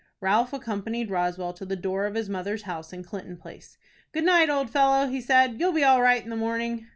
Ralph accompanied Roswell to the door of his mother's house in Clinton Place. "Good night, old fellow!" he said. "You'll be all right in the morning."